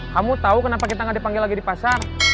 kamu tau kenapa kita gak dipanggil lagi di pasar